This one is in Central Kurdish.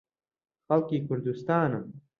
خەڵکی کوردستانم.